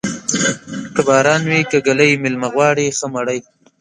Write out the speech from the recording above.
که باران وې که ږلۍ، مېلمه غواړي ښه مړۍ.